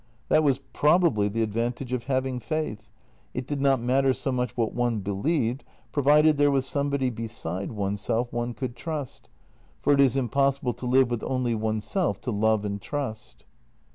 That was probably the ad vantage of having faith — it did not matter so much what one believed, provided there was somebody beside oneself one could trust, for it is impossible to live with only oneself to love and trust.